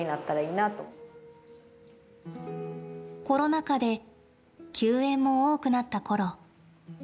コロナ禍で休園も多くなったころ